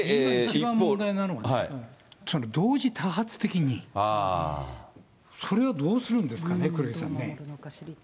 一番問題なのは、同時多発的に、それはどうするんですかね、黒井さんね。